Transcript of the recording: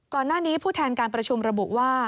ก่อนหน้านี้ผู้แทนการประชุมระบุว่า